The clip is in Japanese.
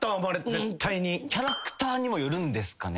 キャラクターにもよるんですかね。